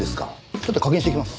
ちょっと確認してきます。